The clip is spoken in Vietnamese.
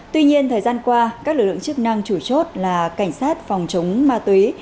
tuy nhiên thời gian qua các lực lượng chức năng chủ chốt là cảnh sát phòng chống ma túy